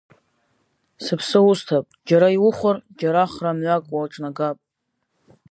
Сыԥсы усҭап, џьара иухәар, џьара хра мҩак уаҿнагап.